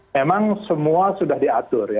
memang semua sudah diatur